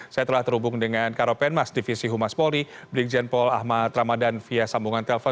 saya telah terhubung dengan karopenmas divisi humas poli blikjenpol ahmad ramadhan via sambungan telpon